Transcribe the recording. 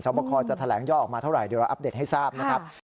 บคจะแถลงย่อออกมาเท่าไหร่เดี๋ยวเราอัปเดตให้ทราบนะครับ